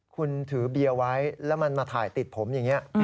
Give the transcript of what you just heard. คุณถือเบียร์ไว้แล้วมันมาถ่ายติดผมอย่างนี้